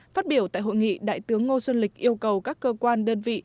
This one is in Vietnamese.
phát biểu tại hội nghị đại tướng ngô xuân lịch yêu cầu các cơ quan đơn vị